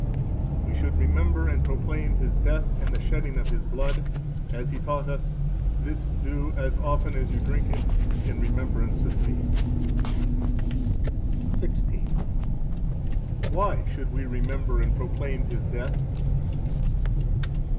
We should remember and proclaim His death and the shedding of His blood, as He taught us: This do, as often as you drink it, in remembrance of Me. 16. Why should we remember and proclaim His death?